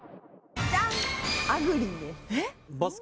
ジャン！